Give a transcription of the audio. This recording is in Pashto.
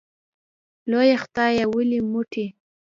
لویه خدایه ولې موټی